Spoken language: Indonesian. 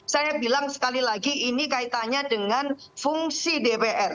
saya bilang sekali lagi ini kaitannya dengan fungsi dpr